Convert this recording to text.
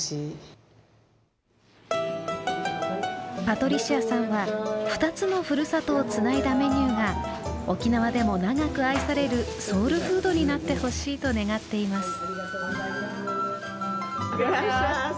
パトリシアさんは２つのふるさとをつないだメニューが沖縄でも長く愛されるソウルフードになってほしいと願っています。